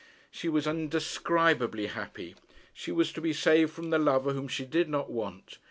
She was indescribably happy. She was to be saved from the lover whom she did not want.